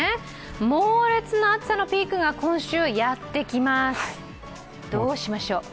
猛烈な暑さのピークが今週、やってきます、どうしましょ。